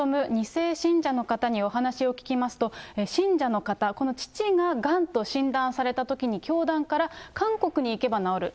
２世信者の方にお話を聞きますと、信者の方、この父ががんと診断されたときに、教団から、韓国に行けば治る。